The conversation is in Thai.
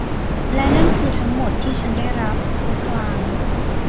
และนั่นคือทั้งหมดที่ฉันได้รับ เขาคราง